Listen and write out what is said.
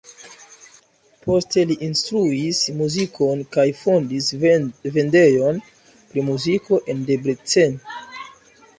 Poste li instruis muzikon kaj fondis vendejon pri muziko en Debrecen.